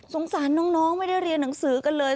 สารน้องไม่ได้เรียนหนังสือกันเลย